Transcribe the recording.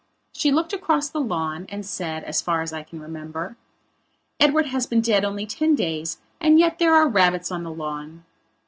She looked across the lawn and said, as far as I can remember: "Edward has been dead only ten days and yet there are rabbits on the lawn."